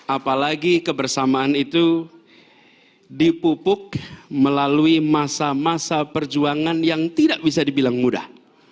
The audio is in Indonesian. apalagi kebersamaan itu dipupuk melalui masa masa perjuangan yang tidak bisa dibilang mudah